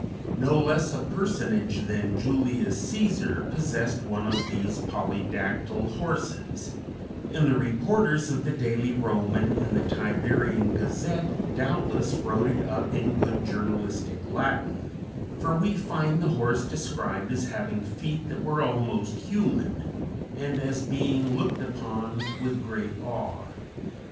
No less a personage than Julius Cæsar possessed one of these polydactyl horses, and the reporters of the Daily Roman and the Tiberian Gazette doubtless wrote it up in good journalistic Latin, for we find the horse described as having feet that were almost human, and as being looked upon with great awe.